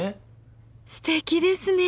すてきですね。